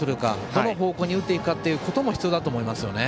どの方向に打っていくかも必要だと思いますよね。